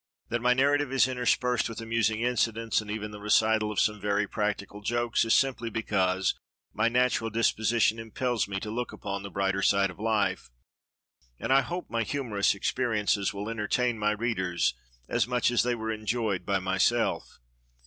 That my narrative is interspersed with amusing incidents, and even the recital of some very practical jokes, is simply because my natural disposition impels me to look upon the brighter side of life, and I hope my humorous experiences will entertain my readers as much as they were enjoyed by myself.